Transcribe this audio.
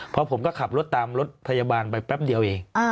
เพราะผมก็ขับรถตามรถพยาบาลไปแป๊บเดียวเอง